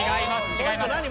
違います。